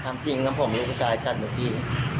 ทำจริงครับผมลูกผู้ชายจัดไว้พี่